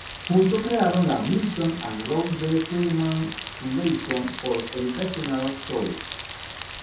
Juntos crearon la Milton and Rose D. Friedman Foundation for Educational Choice.